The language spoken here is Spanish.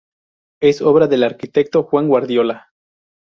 Es obra del arquitecto Juan Guardiola.